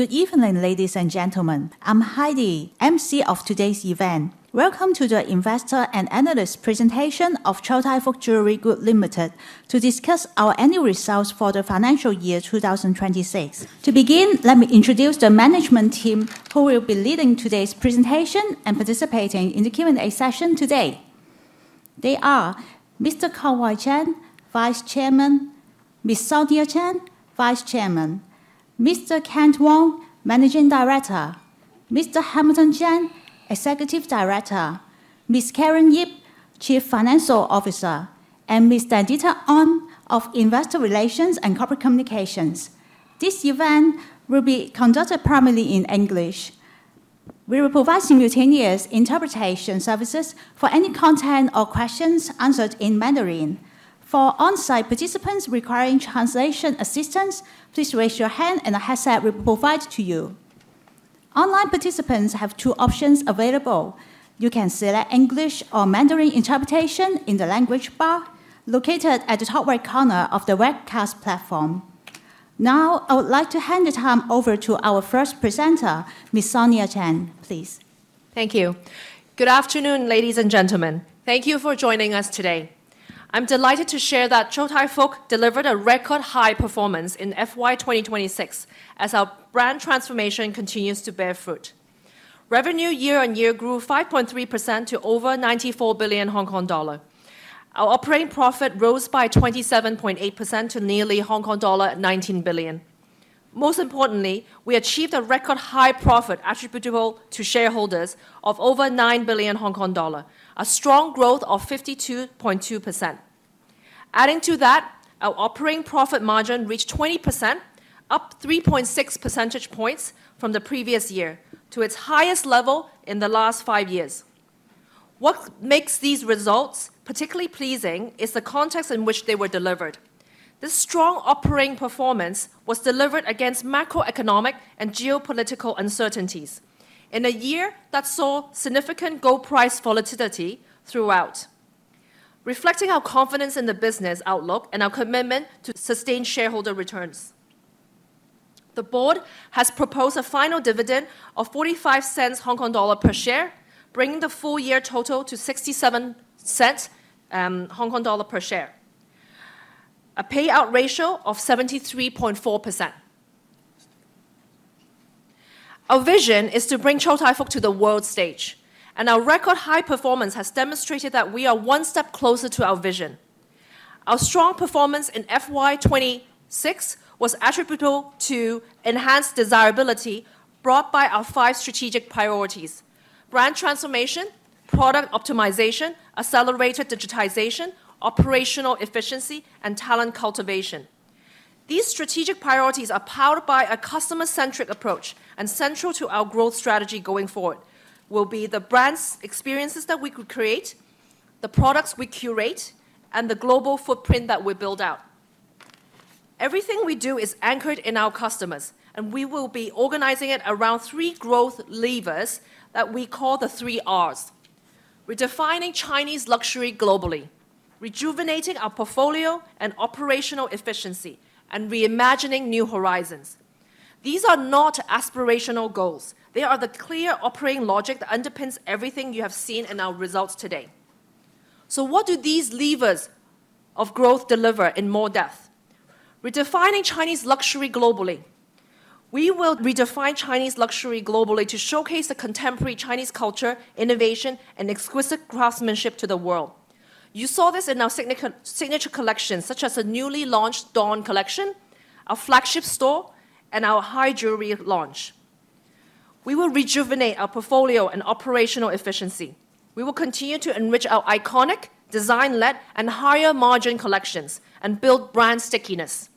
Good evening, ladies and gentlemen. I'm Heidi, MC of today's event. Welcome to the investor and analysts' presentation of Chow Tai Fook Jewellery Group Limited to discuss our annual results for the financial year 2026. To begin, let me introduce the management team who will be leading today's presentation and participating in the Q&A session today. They are Mr. Conroy Cheng, Vice Chairman, Ms. Sonia Cheng, Vice Chairman, Mr. Kent Wong, Managing Director, Mr. Hamilton Cheng, Executive Director, Ms. Karen Yih, Chief Financial Officer, and Mr. Dieter Ong of Investor Relations and Corporate Communications. This event will be conducted primarily in English. We will provide simultaneous interpretation services for any content or questions answered in Mandarin. For on-site participants requiring translation assistance, please raise your hand and a headset we provide to you. Online participants have two options available. You can select English or Mandarin interpretation in the language bar located at the top right corner of the webcast platform. Now, I would like to hand the time over to our first presenter, Ms. Sonia Cheng, please. Thank you. Good afternoon, ladies and gentlemen. Thank you for joining us today. I'm delighted to share that Chow Tai Fook delivered a record-high performance in FY 2026 as our brand transformation continues to bear fruit. Revenue year-over-year grew 5.3% to over 94 billion Hong Kong dollar. Our operating profit rose by 27.8% to nearly Hong Kong dollar 19 billion. Most importantly, we achieved a record-high profit attributable to shareholders of over 9 billion Hong Kong dollar, a strong growth of 52.2%. Adding to that, our operating profit margin reached 20%, up 3.6 percentage points from the previous year, to its highest level in the last five years. What makes these results particularly pleasing is the context in which they were delivered. This strong operating performance was delivered against macroeconomic and geopolitical uncertainties in a year that saw significant gold price volatility throughout, reflecting our confidence in the business outlook and our commitment to sustain shareholder returns. The board has proposed a final dividend of 0.45 per share, bringing the full-year total to 0.67 per share, a payout ratio of 73.4%. Our vision is to bring Chow Tai Fook to the world stage, and our record-high performance has demonstrated that we are one step closer to our vision. Our strong performance in FY 2026 was attributable to enhanced desirability brought by our five strategic priorities: brand transformation, product optimization, accelerated digitization, operational efficiency, and talent cultivation. These strategic priorities are powered by a customer-centric approach, and central to our growth strategy going forward will be the brands, experiences that we could create, the products we curate, and the global footprint that we build out. Everything we do is anchored in our customers, and we will be organizing it around three growth levers that we call the three Rs. Redefining Chinese luxury globally, rejuvenating our portfolio and operational efficiency, and reimagining new horizons. These are not aspirational goals. They are the clear operating logic that underpins everything you have seen in our results today. What do these levers of growth deliver in more depth? Redefining Chinese luxury globally. We will redefine Chinese luxury globally to showcase the contemporary Chinese culture, innovation, and exquisite craftsmanship to the world. You saw this in our signature collection, such as the newly launched DAWN Collection, our flagship store, and our high-jewellery launch. We will rejuvenate our portfolio and operational efficiency. We will continue to enrich our iconic, design-led, and higher-margin collections and build brand stickiness.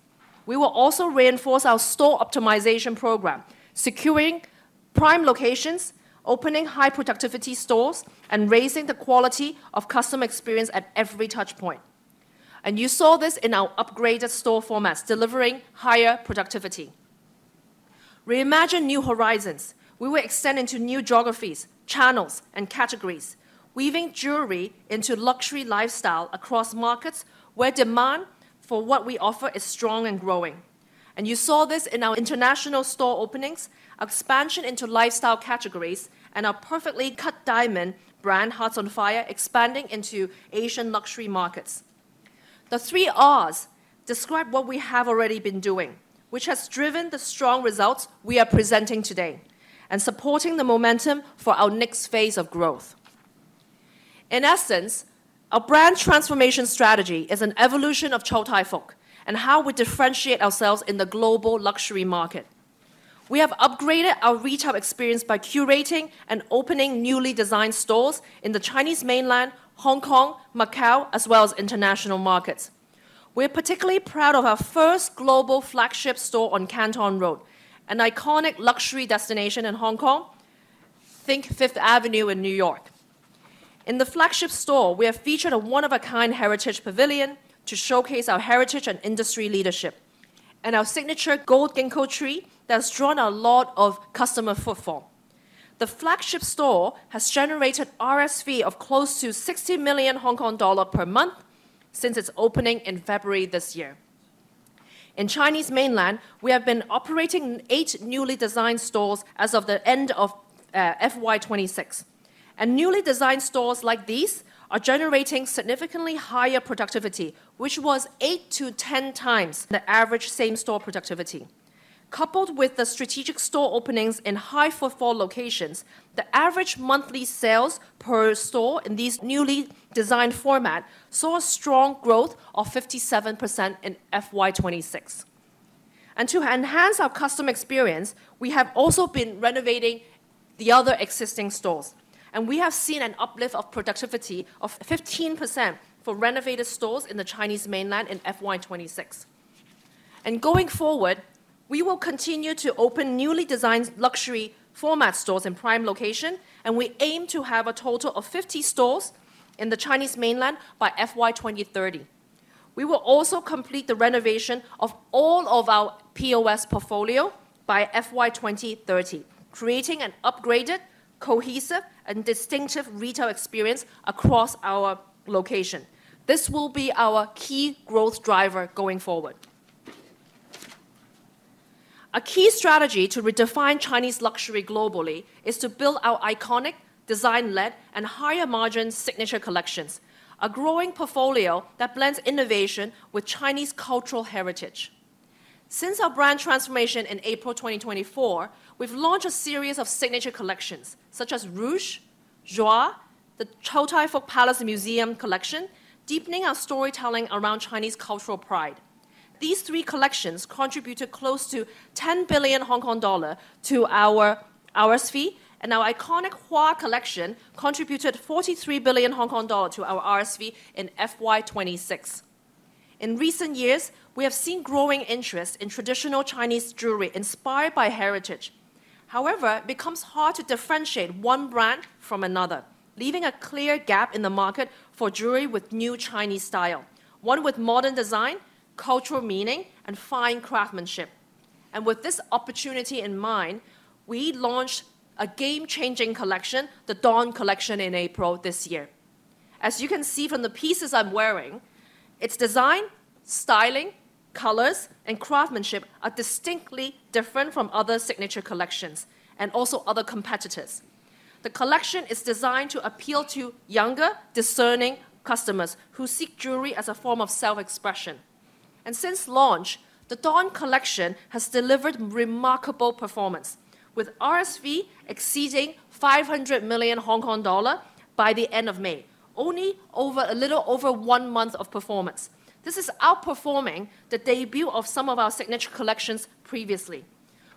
We will also reinforce our store optimization program, securing prime locations, opening high-productivity stores, and raising the quality of customer experience at every touchpoint. You saw this in our upgraded store formats, delivering higher productivity. Reimagine new horizons. We will extend into new geographies, channels, and categories, weaving jewellery into luxury lifestyle across markets where demand for what we offer is strong and growing. You saw this in our international store openings, expansion into lifestyle categories, and our perfectly cut diamond brand, Hearts on Fire, expanding into Asian luxury markets. The three Rs describe what we have already been doing, which has driven the strong results we are presenting today and supporting the momentum for our next phase of growth. In essence, our brand transformation strategy is an evolution of Chow Tai Fook and how we differentiate ourselves in the global luxury market. We have upgraded our retail experience by curating and opening newly designed stores in the Chinese mainland, Hong Kong, Macao, as well as international markets. We're particularly proud of our first global flagship store on Canton Road, an iconic luxury destination in Hong Kong. Think Fifth Avenue in New York. In the flagship store, we have featured a one-of-a-kind heritage pavilion to showcase our heritage and industry leadership and our signature gold ginkgo tree that has drawn a lot of customer footfall. The flagship store has generated RSV of close to 60 million Hong Kong dollar per month since its opening in February this year. In Chinese mainland, we have been operating eight newly designed stores as of the end of FY 2026. Newly designed stores like these are generating significantly higher productivity, which was eight to 10 times the average same-store productivity. Coupled with the strategic store openings in high footfall locations, the average monthly sales per store in this newly designed format saw strong growth of 57% in FY 2026. To enhance our customer experience, we have also been renovating the other existing stores, and we have seen an uplift of productivity of 15% for renovated stores in the Chinese mainland in FY 2026. Going forward, we will continue to open newly designed luxury format stores in prime location, and we aim to have a total of 50 stores in the Chinese mainland by FY 2030. We will also complete the renovation of all of our POS portfolio by FY 2030, creating an upgraded, cohesive, and distinctive retail experience across our location. This will be our key growth driver going forward. A key strategy to redefine Chinese luxury globally is to build our iconic design-led and higher margin signature collections, a growing portfolio that blends innovation with Chinese cultural heritage. Since our brand transformation in April 2024, we've launched a series of signature collections such as Rouge, Joie, the Chow Tai Fook Palace Museum Collection, deepening our storytelling around Chinese cultural pride. These three collections contributed close to 10 billion Hong Kong dollar to our RSV, and our iconic HUÁ Collection contributed 43 billion Hong Kong dollars to our RSV in FY 2026. In recent years, we have seen growing interest in traditional Chinese jewellery inspired by heritage. However, it becomes hard to differentiate one brand from another, leaving a clear gap in the market for jewellery with new Chinese style, one with modern design, cultural meaning, and fine craftsmanship. With this opportunity in mind, we launched a game-changing collection, the DAWN Collection, in April this year. As you can see from the pieces I'm wearing, its design, styling, colors, and craftsmanship are distinctly different from other signature collections and also other competitors. The collection is designed to appeal to younger, discerning customers who seek jewellery as a form of self-expression. Since launch, the DAWN Collection has delivered remarkable performance, with RSV exceeding 500 million Hong Kong dollar by the end of May, only a little over one month of performance. This is outperforming the debut of some of our signature collections previously.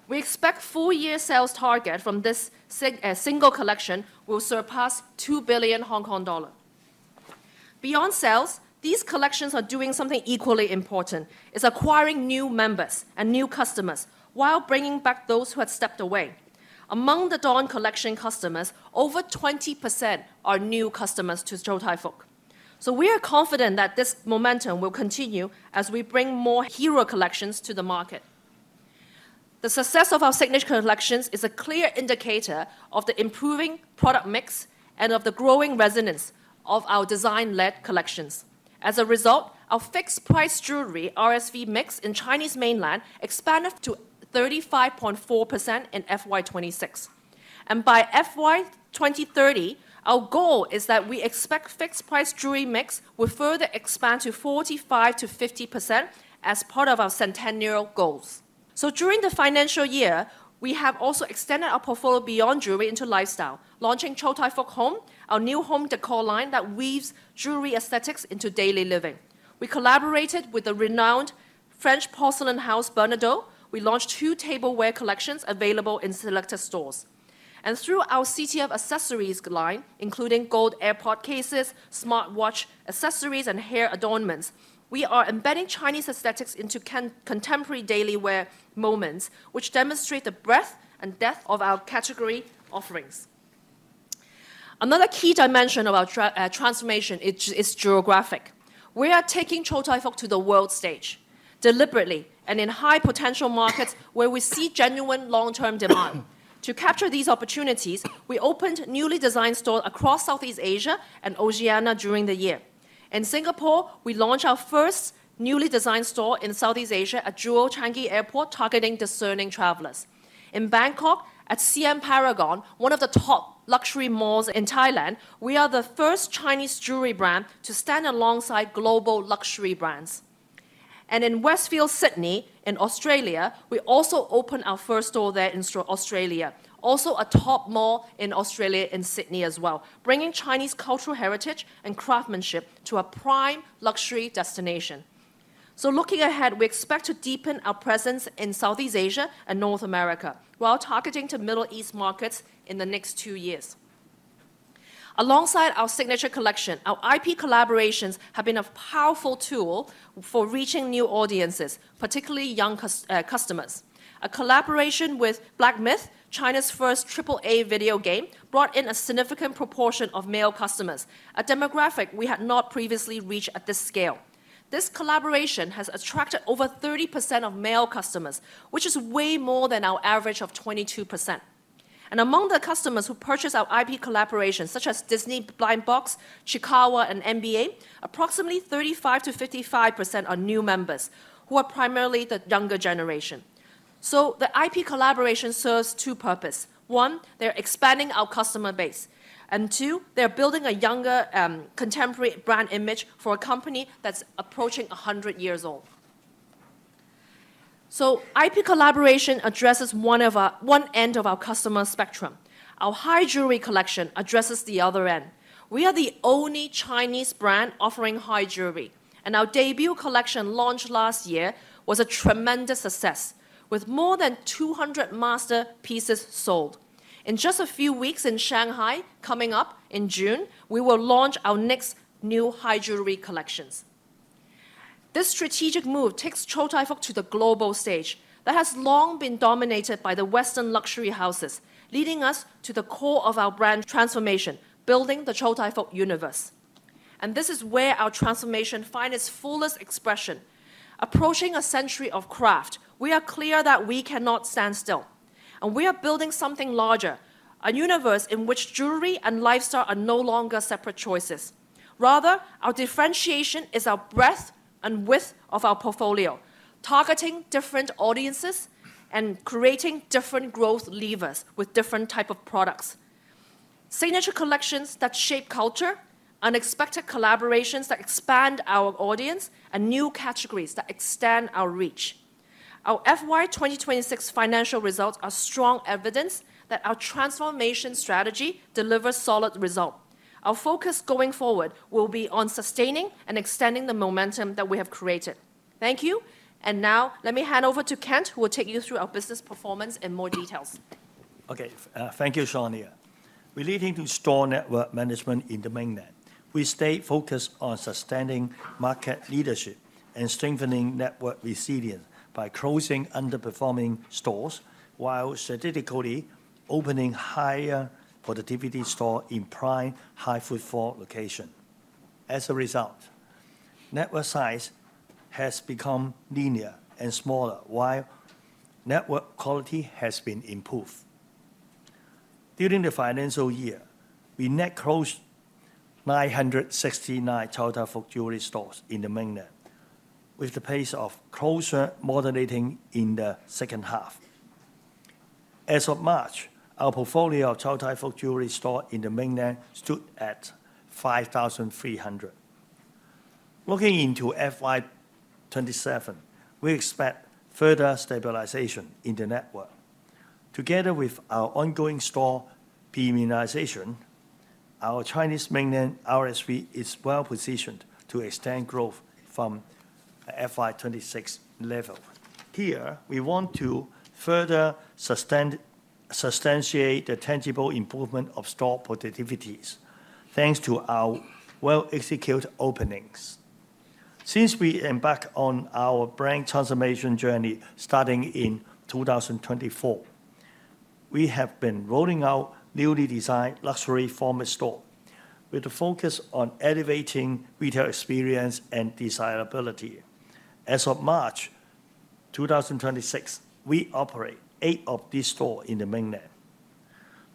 We expect full year sales target from this single collection will surpass 2 billion Hong Kong dollars. Beyond sales, these collections are doing something equally important, is acquiring new members and new customers while bringing back those who had stepped away. Among the DAWN Collection customers, over 20% are new customers to Chow Tai Fook. We are confident that this momentum will continue as we bring more hero collections to the market. The success of our signature collections is a clear indicator of the improving product mix and of the growing resonance of our design-led collections. As a result, our fixed-price jewellery RSV mix in Chinese mainland expanded to 35.4% in FY 2026. By FY 2030, our goal is that we expect fixed price jewellery mix will further expand to 45%-50% as part of our centennial goals. During the financial year, we have also extended our portfolio beyond jewellery into lifestyle, launching Chow Tai Fook Home, our new home decor line that weaves jewellery aesthetics into daily living. We collaborated with the renowned French porcelain house, Bernardaud. We launched two tableware collections available in selected stores. Through our CTF Accessories line, including gold AirPods cases, smartwatch accessories, and hair adornments, we are embedding Chinese aesthetics into contemporary daily wear moments, which demonstrate the breadth and depth of our category offerings. Another key dimension of our transformation is geographic. We are taking Chow Tai Fook to the world stage deliberately and in high potential markets where we see genuine long-term demand. To capture these opportunities, we opened newly designed store across Southeast Asia and Oceania during the year. In Singapore, we launched our first newly designed store in Southeast Asia at Jewel Changi Airport, targeting discerning travelers. In Bangkok at Siam Paragon, one of the top luxury malls in Thailand, we are the first Chinese jewellery brand to stand alongside global luxury brands. In Westfield Sydney in Australia, we also opened our first store there in Australia, also a top mall in Australia in Sydney as well, bringing Chinese cultural heritage and craftsmanship to a prime luxury destination. Looking ahead, we expect to deepen our presence in Southeast Asia and North America while targeting Middle East markets in the next two years. Alongside our signature collection, our IP collaborations have been a powerful tool for reaching new audiences, particularly young customers. A collaboration with Black Myth, China's first triple A video game, brought in a significant proportion of male customers, a demographic we had not previously reached at this scale. This collaboration has attracted over 30% of male customers, which is way more than our average of 22%. Among the customers who purchase our IP collaborations, such as Disney Blind Box, Chiikawa, and NBA, approximately 35%-55% are new members who are primarily the younger generation. The IP collaboration serves two purposes. They're expanding our customer base, and they're building a younger, contemporary brand image for a company that's approaching 100 years old. IP collaboration addresses one end of our customer spectrum. Our high jewellery collection addresses the other end. We are the only Chinese brand offering high jewellery, and our debut collection launch last year was a tremendous success, with more than 200 masterpieces sold. In just a few weeks in Shanghai, coming up in June, we will launch our next new high jewellery collections. This strategic move takes Chow Tai Fook to the global stage that has long been dominated by the Western luxury houses, leading us to the core of our brand transformation, building the Chow Tai Fook universe. This is where our transformation find its fullest expression. Approaching a century of craft, we are clear that we cannot stand still, and we are building something larger, a universe in which jewellery and lifestyle are no longer separate choices. Rather, our differentiation is our breadth and width of our portfolio, targeting different audiences and creating different growth levers with different type of products. Signature collections that shape culture, unexpected collaborations that expand our audience, and new categories that extend our reach. Our FY 2026 financial results are strong evidence that our transformation strategy delivers solid result. Our focus going forward will be on sustaining and extending the momentum that we have created. Thank you. Now let me hand over to Kent, who will take you through our business performance in more details. Okay. Thank you, Sonia. Relating to store network management in the Mainland, we stay focused on sustaining market leadership and strengthening network resilience by closing underperforming stores while strategically opening higher-productivity stores in prime high-footfall locations. As a result, network size has become linear and smaller, while network quality has been improved. During the fiscal year, we net closed 969 Chow Tai Fook Jewellery stores in the Mainland, with the pace of closure moderating in the second half. As of March, our portfolio of Chow Tai Fook jewellery stores in the Mainland stood at 5,300. Looking into FY 2027, we expect further stabilization in the network. Together with our ongoing store premiumization, our Chinese Mainland RSV is well-positioned to extend growth from FY 2026 level. Here, we want to further substantiate the tangible improvement of store productivities, thanks to our well-executed openings. Since we embarked on our brand transformation journey starting in 2024, we have been rolling out newly designed luxury format stores with a focus on elevating retail experience and desirability. As of March 2026, we operate eight of these stores in the Mainland.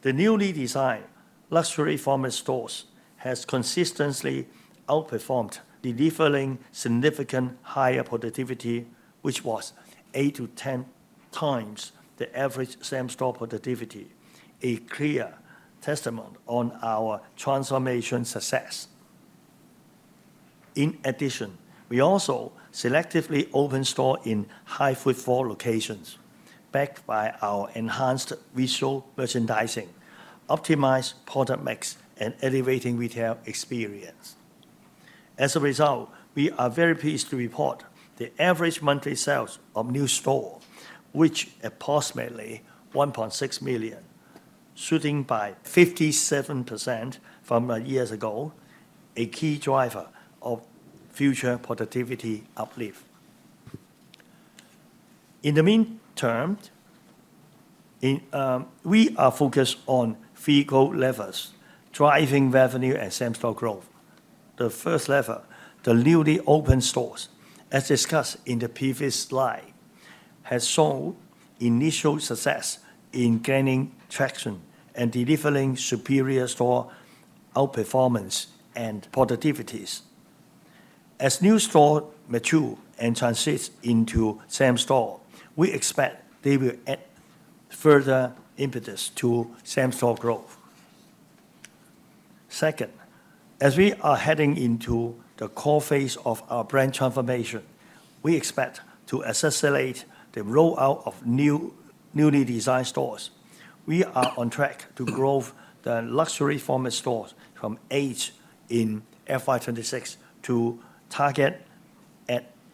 The newly designed luxury format stores have consistently outperformed, delivering significantly higher productivity, which was eight to 10 times the average same-store productivity, a clear testament on our transformation success. In addition, we also selectively open stores in high-footfall locations, backed by our enhanced visual merchandising, optimized product mix, and elevating retail experience. As a result, we are very pleased to report the average monthly sales of new stores, which approximately 1.6 million, shooting by 57% from a year ago, a key driver of future productivity uplift. In the meantime, we are focused on three growth levers, driving revenue and same-store growth. The first lever, the newly opened stores, as discussed in the previous slide, has shown initial success in gaining traction and delivering superior store outperformance and productivities. As new stores mature and translates into same-store, we expect they will add further impetus to same-store growth. Second, as we are heading into the core phase of our brand transformation, we expect to accelerate the rollout of newly designed stores. We are on track to grow the luxury format stores from eight in FY 2026 to target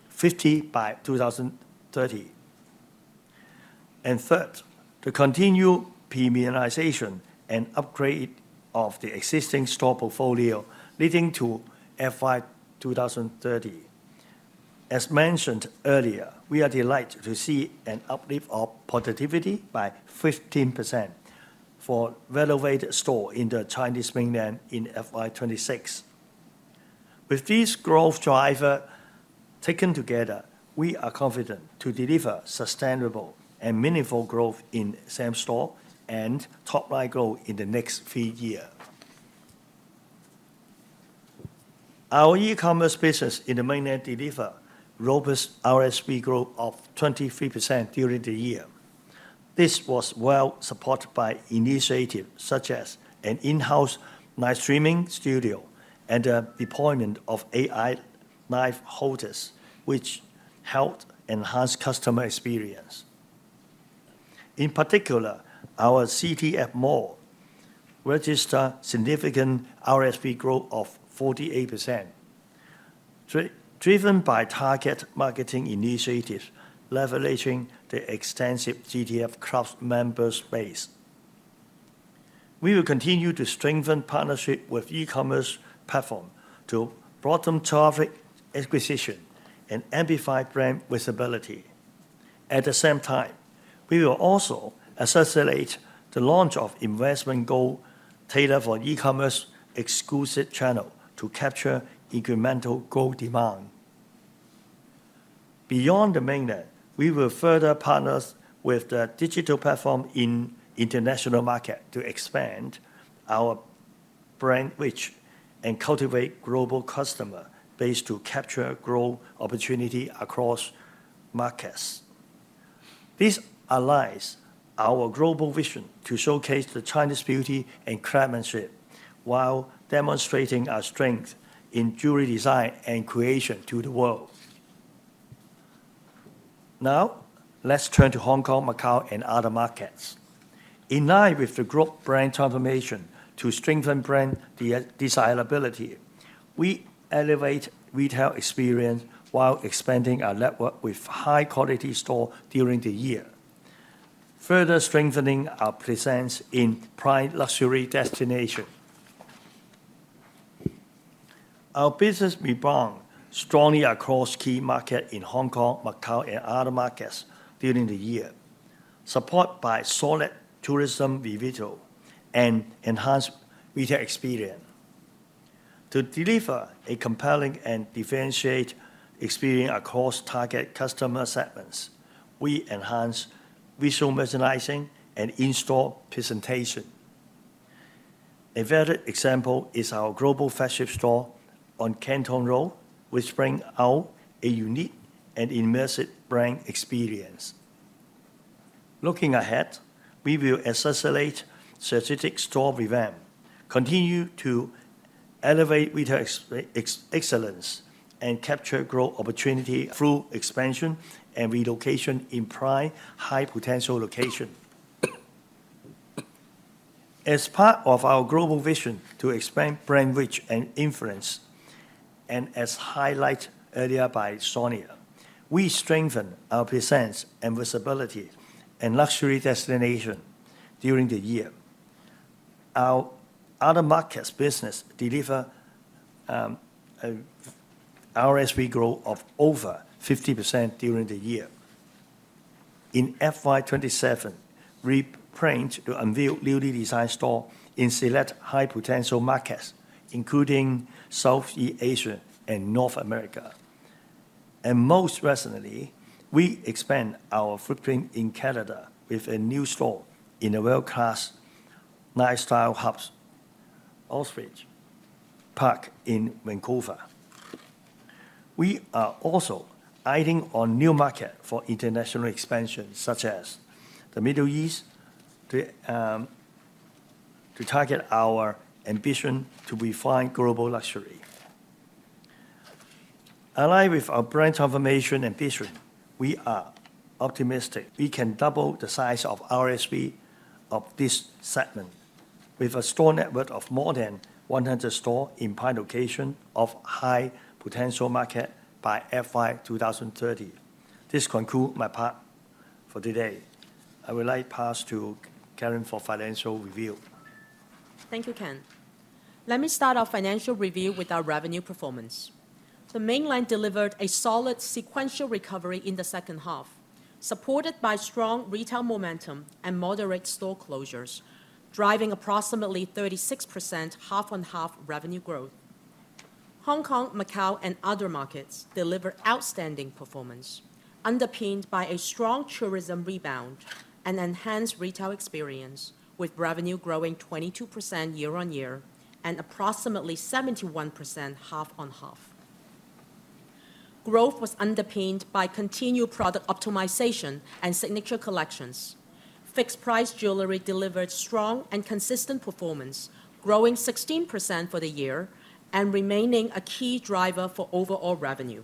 50 by 2030. And third, to continue premiumization and upgrade of the existing store portfolio leading to FY 2030. As mentioned earlier, we are delighted to see an uplift of productivity by 15% for renovated stores in the Chinese Mainland in FY 2026. With these growth drivers taken together, we are confident to deliver sustainable and meaningful growth in same-store and top-line growth in the next three years. Our e-commerce business in the Mainland delivered robust RSV growth of 23% during the year. This was well-supported by initiatives such as an in-house live streaming studio and deployment of AI live hostess, which helped enhance customer experience. In particular, our CTF Mall registered significant RSV growth of 48%, driven by target marketing initiatives leveraging the extensive CTF Club member base. We will continue to strengthen partnership with e-commerce platform to broaden traffic acquisition and amplify brand visibility. At the same time, we will also accelerate the launch of investment gold tailor for e-commerce exclusive channel to capture incremental gold demand. Beyond the mainland, we will further partners with the digital platform in international market to expand our brand reach and cultivate global customer base to capture growth opportunity across markets. This aligns our global vision to showcase the Chinese beauty and craftsmanship while demonstrating our strength in jewellery design and creation to the world. Now, let's turn to Hong Kong, Macao, and other markets. In line with the Group brand transformation to strengthen brand desirability, we elevate retail experience while expanding our network with high-quality store during the year, further strengthening our presence in prime luxury destination. Our business rebound strongly across key market in Hong Kong, Macao, and other markets during the year, support by solid tourism revival and enhanced retail experience. To deliver a compelling and differentiate experience across target customer segments, we enhance visual merchandising and in-store presentation. A valid example is our global flagship store on Canton Road, which bring out a unique and immersive brand experience. Looking ahead, we will accelerate strategic store revamp, continue to elevate retail excellence, and capture growth opportunity through expansion and relocation in prime high-potential location. As part of our global vision to expand brand reach and influence, as highlighted earlier by Sonia, we strengthen our presence and visibility in luxury destination during the year. Our other markets business deliver a RSV growth of over 50% during the year. In FY 2027, we plan to unveil newly designed store in select high-potential markets, including Southeast Asia and North America. Most recently, we expand our footprint in Canada with a new store in a world-class lifestyle hubs, Oakridge Park in Vancouver. We are also adding on new market for international expansion, such as the Middle East, to target our ambition to refine global luxury. Aligned with our Brand transformation and vision, we are optimistic we can double the size of RSV of this segment with a store network of more than 100 store in prime location of high-potential market by FY 2030. This conclude my part for today. I would like pass to Karen for financial review. Thank you, Kent. Let me start our financial review with our revenue performance. The mainland delivered a solid sequential recovery in the second half, supported by strong retail momentum and moderate store closures, driving approximately 36% half-on-half revenue growth. Hong Kong, Macao, and other markets deliver outstanding performance, underpinned by a strong tourism rebound and enhanced retail experience, with revenue growing 22% year-on-year and approximately 71% half-on-half. Growth was underpinned by continued product optimization and signature collections. Fixed price jewellery delivered strong and consistent performance, growing 16% for the year and remaining a key driver for overall revenue.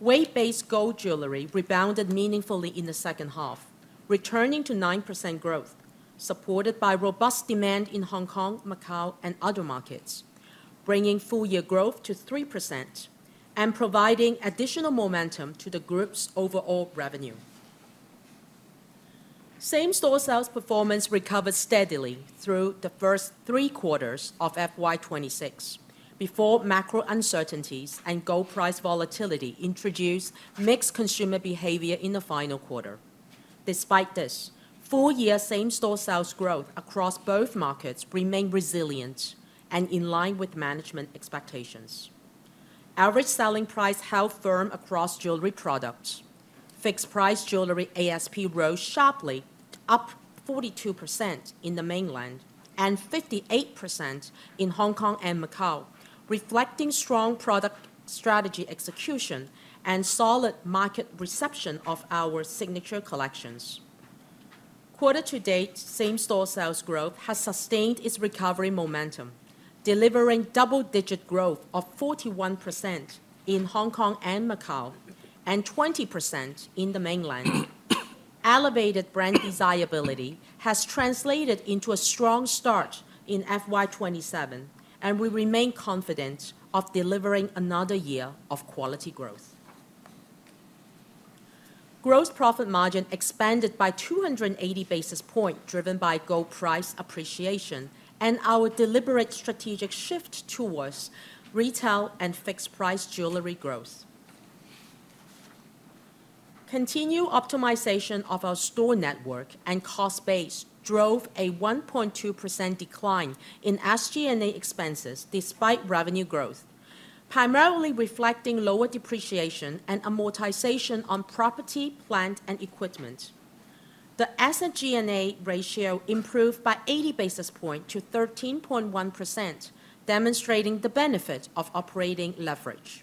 Weight-based gold jewellery rebounded meaningfully in the second half, returning to 9% growth, supported by robust demand in Hong Kong, Macao, and other markets, bringing full-year growth to 3% and providing additional momentum to the Group's overall revenue. Same-store sales performance recovered steadily through the first three quarters of FY 2026 before macro uncertainties and gold price volatility introduced mixed consumer behavior in the final quarter. Despite this, full-year same-store sales growth across both markets remained resilient and in line with management expectations. Average selling price held firm across jewellery products. Fixed-price jewellery ASP rose sharply, up 42% in the Mainland and 58% in Hong Kong and Macao, reflecting strong product strategy execution and solid market reception of our signature collections. Quarter to date, same-store sales growth has sustained its recovery momentum, delivering double-digit growth of 41% in Hong Kong and Macao and 20% in the Mainland. Elevated brand desirability has translated into a strong start in FY 2027, and we remain confident of delivering another year of quality growth. Gross profit margin expanded by 280 basis points, driven by gold price appreciation and our deliberate strategic shift towards retail and fixed-price jewellery growth. Continued optimization of our store network and cost base drove a 1.2% decline in SG&A expenses despite revenue growth, primarily reflecting lower depreciation and amortization on property, plant, and equipment. The SG&A ratio improved by 80 basis points to 13.1%, demonstrating the benefit of operating leverage.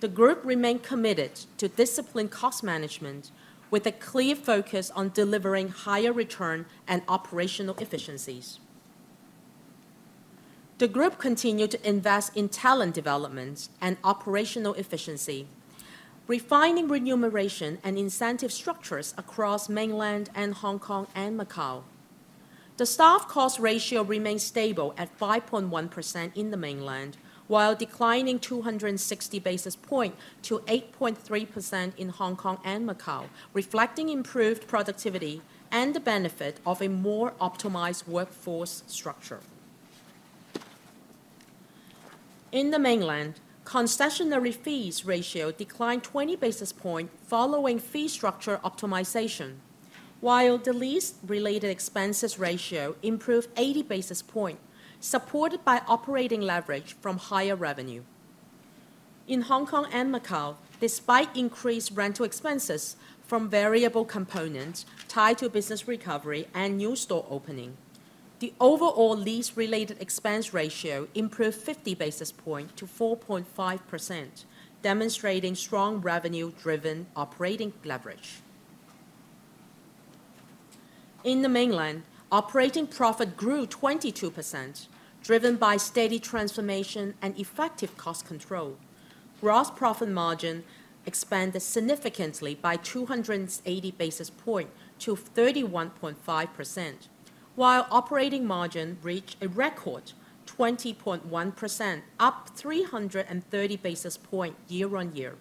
The group remained committed to disciplined cost management with a clear focus on delivering higher return and operational efficiencies. The group continued to invest in talent development and operational efficiency, refining remuneration and incentive structures across Mainland and Hong Kong and Macao. The staff cost ratio remained stable at 5.1% in the Mainland while declining 260 basis points to 8.3% in Hong Kong and Macao, reflecting improved productivity and the benefit of a more optimized workforce structure. In the Mainland, concessionary fees ratio declined 20 basis points following fee structure optimization, while the lease-related expenses ratio improved 80 basis points, supported by operating leverage from higher revenue. In Hong Kong and Macao, despite increased rental expenses from variable components tied to business recovery and new store opening, the overall lease-related expense ratio improved 50 basis points to 4.5%, demonstrating strong revenue-driven operating leverage. In the Mainland, operating profit grew 22%, driven by steady transformation and effective cost control. Gross profit margin expanded significantly by 280 basis points to 31.5%, while operating margin reached a record 20.1% up 330 basis points year-on-year.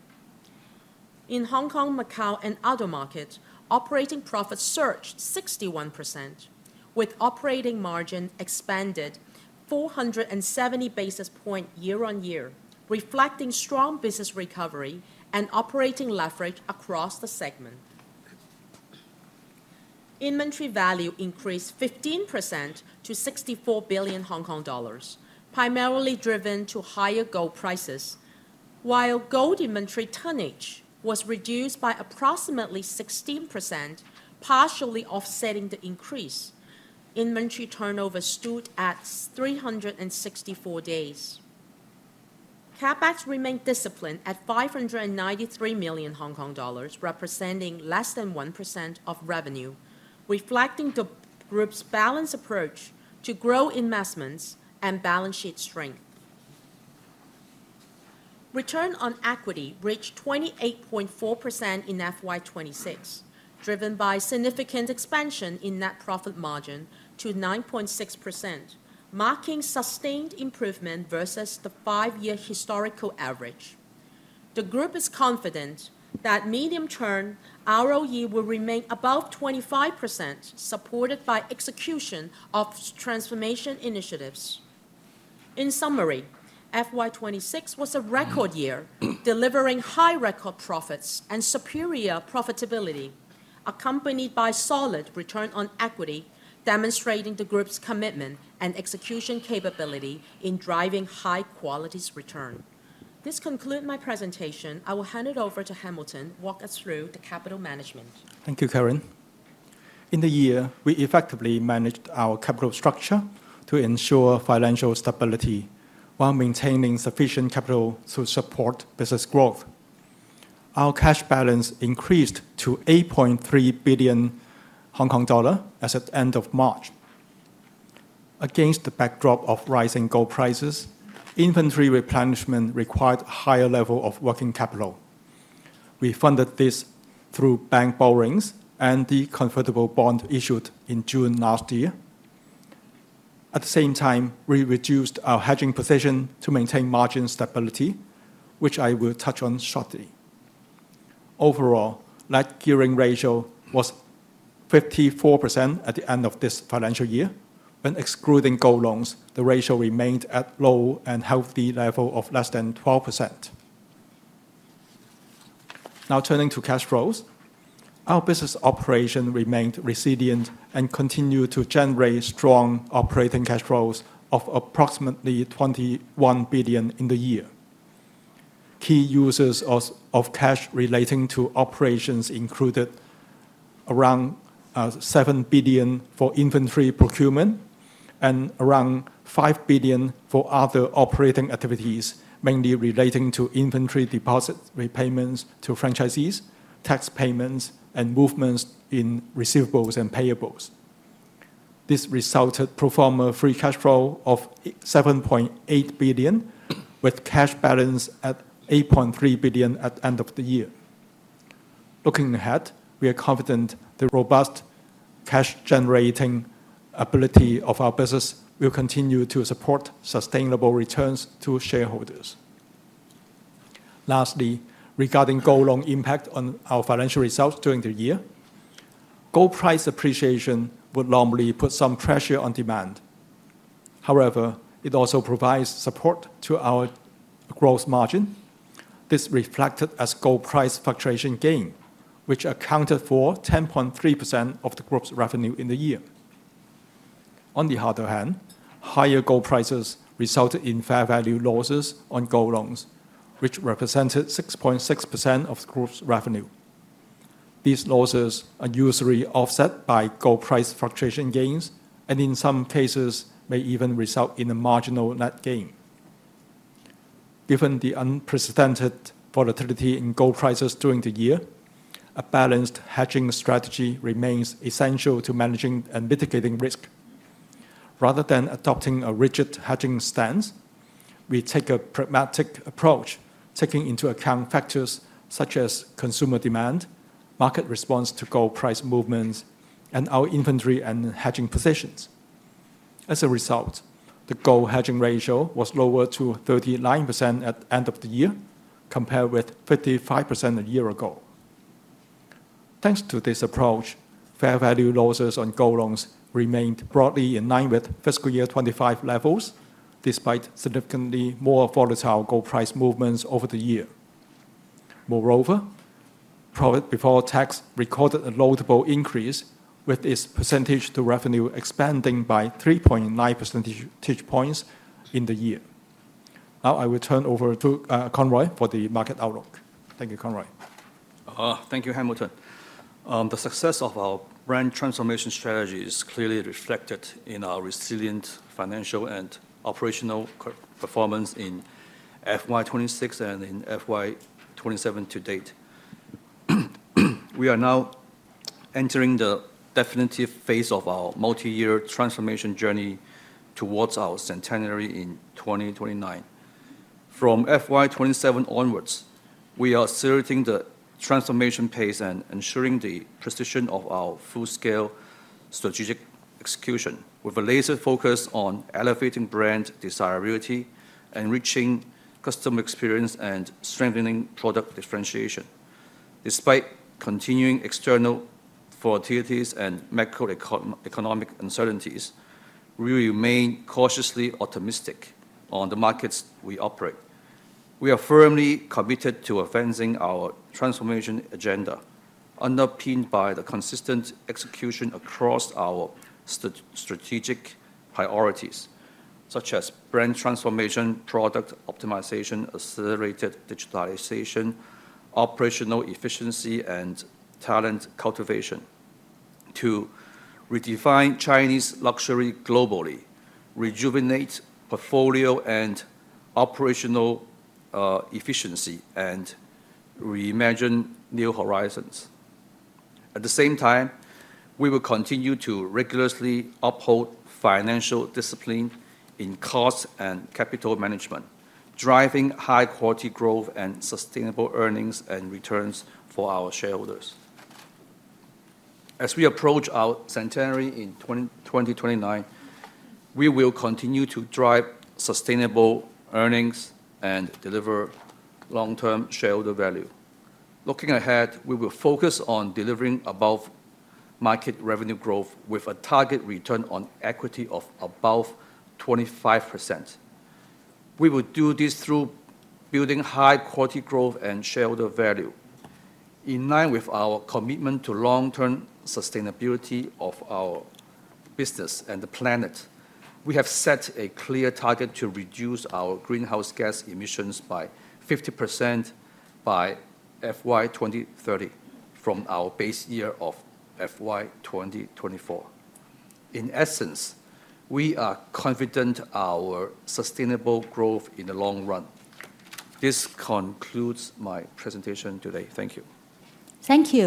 In Hong Kong, Macao, and other markets, operating profit surged 61%, with operating margin expanded 470 basis points year-on-year, reflecting strong business recovery and operating leverage across the segment. Inventory value increased 15% to 64 billion Hong Kong dollars, primarily driven to higher gold prices. While gold inventory tonnage was reduced by approximately 16%, partially offsetting the increase, inventory turnover stood at 364 days. CapEx remained disciplined at 593 million Hong Kong dollars, representing less than 1% of revenue, reflecting the group's balanced approach to growth investments and balance sheet strength. Return on equity reached 28.4% in FY 2026, driven by significant expansion in net profit margin to 9.6%, marking sustained improvement versus the five-year historical average. The group is confident that medium-term ROE will remain above 25%, supported by execution of transformation initiatives. In summary, FY 2026 was a record year, delivering high record profits and superior profitability, accompanied by solid return on equity, demonstrating the group's commitment and execution capability in driving high-quality return. This concludes my presentation. I will hand it over to Hamilton to walk us through the capital management. Thank you, Karen. In the year, we effectively managed our capital structure to ensure financial stability while maintaining sufficient capital to support business growth. Our cash balance increased to 8.3 billion Hong Kong dollar as at the end of March. Against the backdrop of rising gold prices, inventory replenishment required a higher level of working capital. We funded this through bank borrowings and the convertible bond issued in June last year. At the same time, we reduced our hedging position to maintain margin stability, which I will touch on shortly. Overall, net gearing ratio was 54% at the end of this financial year. When excluding gold loans, the ratio remained at low and healthy level of less than 12%. Now, turning to cash flows. Our business operation remained resilient and continued to generate strong operating cash flows of approximately 21 billion in the year. Key uses of cash relating to operations included around 7 billion for inventory procurement and around 5 billion for other operating activities, mainly relating to inventory deposit repayments to franchisees, tax payments, and movements in receivables and payables. This resulted pro forma free cash flow of 7.8 billion, with cash balance at 8.3 billion at end of the year. Looking ahead, we are confident the robust cash-generating ability of our business will continue to support sustainable returns to shareholders. Lastly, regarding gold loan impact on our financial results during the year, gold price appreciation would normally put some pressure on demand. However, it also provides support to our gross margin. This reflected as gold price fluctuation gain, which accounted for 10.3% of the group's revenue in the year. On the other hand, higher gold prices resulted in fair value losses on gold loans, which represented 6.6% of the group's revenue. These losses are usually offset by gold price fluctuation gains and, in some cases, may even result in a marginal net gain. Given the unprecedented volatility in gold prices during the year, a balanced hedging strategy remains essential to managing and mitigating risk. Rather than adopting a rigid hedging stance, we take a pragmatic approach, taking into account factors such as consumer demand, market response to gold price movements, and our inventory and hedging positions. As a result, the gold hedging ratio was lower to 39% at end of the year, compared with 55% a year ago. Thanks to this approach, fair value losses on gold loans remained broadly in line with FY 2025 levels, despite significantly more volatile gold price movements over the year. Moreover, profit before tax recorded a notable increase, with its percentage to revenue expanding by 3.9 percentage points in the year. Now, I will turn over to Conroy for the market outlook. Thank you, Conroy. Thank you, Hamilton. The success of our brand transformation strategy is clearly reflected in our resilient financial and operational performance in FY 2026 and in FY 2027 to date. We are now entering the definitive phase of our multi-year transformation journey towards our centenary in 2029. From FY 2027 onwards, we are accelerating the transformation pace and ensuring the precision of our full-scale strategic execution, with a laser focus on elevating brand desirability, enriching customer experience, and strengthening product differentiation. Despite continuing external volatilities and macroeconomic uncertainties, we remain cautiously optimistic on the markets we operate. We are firmly committed to advancing our transformation agenda, underpinned by the consistent execution across our strategic priorities such as brand transformation, product optimization, accelerated digitalization, operational efficiency, and talent cultivation to redefine Chinese luxury globally, rejuvenate portfolio and operational efficiency, and reimagine new horizons. At the same time, we will continue to rigorously uphold financial discipline in cost and capital management, driving high-quality growth and sustainable earnings and returns for our shareholders. As we approach our centenary in 2029, we will continue to drive sustainable earnings and deliver long-term shareholder value. Looking ahead, we will focus on delivering above-market revenue growth with a target return on equity of above 25%. We will do this through building high-quality growth and shareholder value. In line with our commitment to long-term sustainability of our business and the planet, we have set a clear target to reduce our greenhouse gas emissions by 50% by FY 2030 from our base year of FY 2024. In essence, we are confident our sustainable growth in the long run. This concludes my presentation today. Thank you. Thank you